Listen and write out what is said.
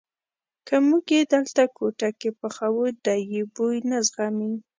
که موږ یې دلته کوټه کې پخو دی یې بوی نه زغمي.